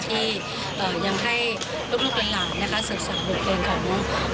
ที่เอ่อยังให้ลูกลูกหลานหลานนะคะสิวสารบทเพลงของน้อง